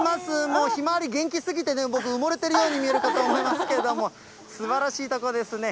もうひまわり、元気すぎてね、僕、埋もれてるように見えるかと思いますけれども、すばらしい所ですね。